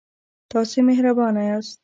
تاسې مهربانه یاست.